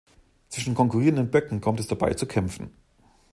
Zwischen konkurrierenden Böcken kommt es dabei zu Kämpfen.